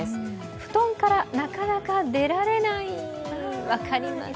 布団から、なかなか出られない、分かります。